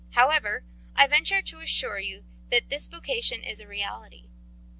However, I venture to assure you that this vocation is a reality.